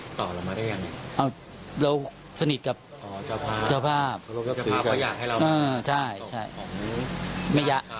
เพราะแล้วเขาได้บอกมั้ย